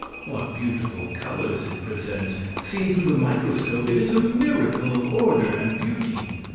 What beautiful colors it presents! Seen through the microscope it is a miracle of order and beauty.